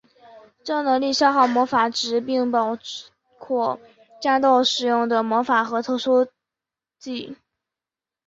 战斗能力消耗魔法值并包括战斗使用的魔法和特殊技。